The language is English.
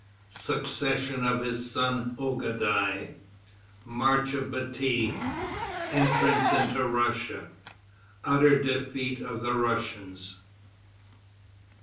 Succession of his Son Ougadai. March of Bati. Entrance into Russia. Utter Defeat of the Russians.